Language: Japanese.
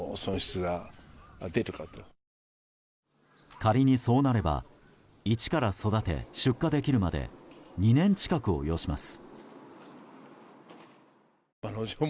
仮にそうなれば一から育て出荷できるまで２年近くを要します。